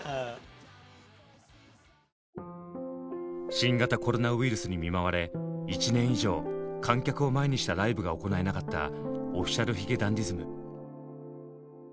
新型コロナウイルスに見舞われ１年以上観客を前にしたライブが行えなかったＯｆｆｉｃｉａｌ髭男ｄｉｓｍ。